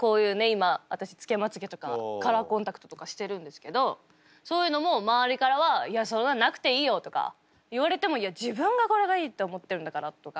今私つけまつげとかカラーコンタクトとかしてるんですけどそういうのも周りからは「いやそれはなくていいよ」とか言われてもいや自分がこれがいいって思ってるんだからとか。